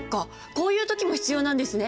こういう時も必要なんですね。